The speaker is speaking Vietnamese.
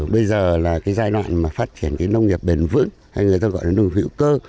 bây giờ là cái giai đoạn mà phát triển cái nông nghiệp bền vững hay người ta gọi là nông hữu cơ